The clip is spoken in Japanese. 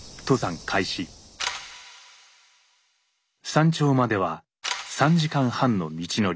山頂までは３時間半の道のり。